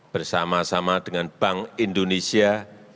bersama sama dengan bank indonesia